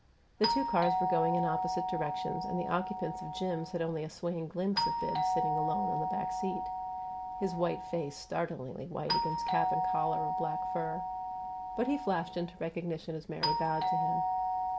The two cars were going in opposite directions, and the occupants of Jim's had only a swaying glimpse of Bibbs sitting alone on the back seat his white face startlingly white against cap and collar of black fur but he flashed into recognition as Mary bowed to him.